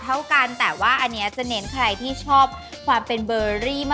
เท่ากันแต่ว่าอันนี้จะเน้นใครที่ชอบความเป็นเบอรี่มาก